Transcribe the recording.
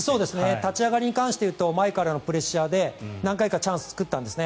立ち上がりに関して言うと前からのプレッシャーで何回かチャンスを作ったんですね。